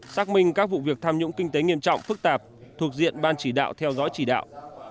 xác minh các vụ việc tham nhũng kinh tế nghiêm trọng phức tạp thuộc diện ban chỉ đạo theo dõi chỉ đạo